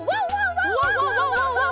ワンワワンワワンワンワンワン！